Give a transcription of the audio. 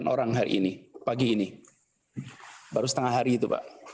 delapan orang hari ini pagi ini baru setengah hari itu pak